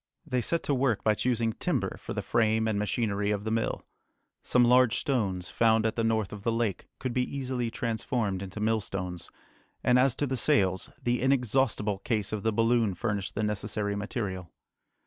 They set to work by choosing timber for the frame and machinery of the mill. Some large stones, found at the north of the lake, could be easily transformed into millstones; and as to the sails, the inexhaustible case of the balloon furnished the necessary material.